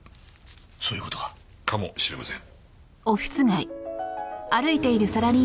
そういう事か？かもしれません。